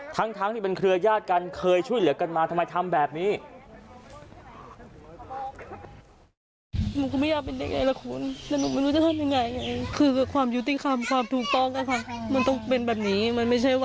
ทั้งที่เป็นเครือญาติกันเคยช่วยเหลือกันมาทำไมทำแบบนี้